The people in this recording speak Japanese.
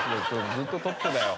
ずっとトップだよ。